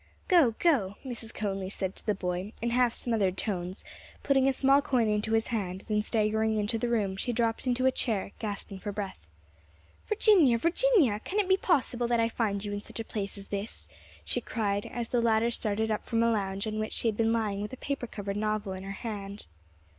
"Go, go!" Mrs. Conly said to the boy, in half smothered tones, putting a small coin into his hand; then staggering into the room she dropped into a chair, gasping for breath. "Virginia, Virginia! can it be possible that I find you in such a place as this?" she cried, as the latter started up from a lounge on which she had been lying with a paper covered novel in her hand.